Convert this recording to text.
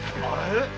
あれ？